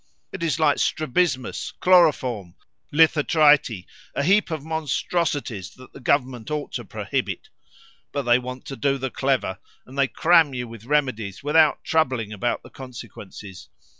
It is like strabismus, chloroform, lithotrity, a heap of monstrosities that the Government ought to prohibit. But they want to do the clever, and they cram you with remedies without, troubling about the consequences.